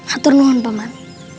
atur nuhan paman